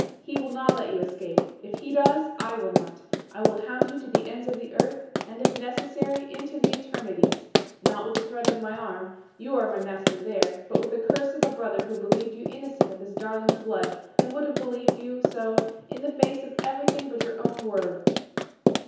He will not let you escape. If He does, I will not. I will hound you to the ends of this earth and, if necessary, into the eternities. Not with the threat of my arm you are my master there, but with the curse of a brother who believed you innocent of his darling's blood and would have believed you so in face of everything but your own word."